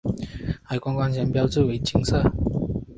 海关关衔标志为金色。